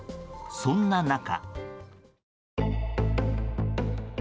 そんな中。